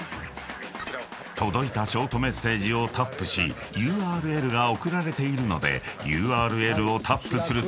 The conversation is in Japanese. ［届いたショートメッセージをタップしＵＲＬが送られているのでＵＲＬをタップすると］